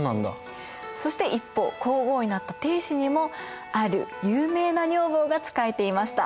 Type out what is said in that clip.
そして一方皇后になった定子にもある有名な女房が仕えていました。